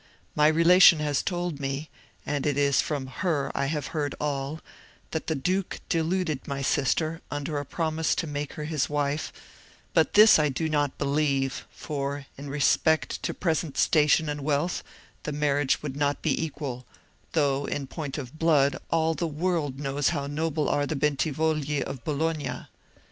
My relation has told me, (and it is from her I have heard all,) that the duke deluded my sister, under a promise to make her his wife; but this I do not believe, for, in respect to present station and wealth, the marriage would not be equal, although, in point of blood, all the world knows how noble are the Bentivogli of Bologna.